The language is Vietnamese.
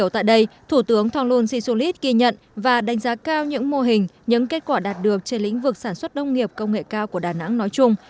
thủ tướng thonglun sisulit ghi nhận và đánh giá cao những mô hình những kết quả đạt được trên lĩnh vực sản xuất nông nghiệp công nghệ cao của đà nẵng nói chung